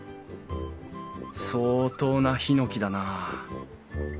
相当なヒノキだなあ。